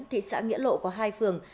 thị xã nghĩa lộ có hai phường